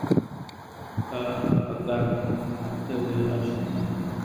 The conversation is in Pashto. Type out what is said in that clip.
تا په درد كاتــه اشــنـا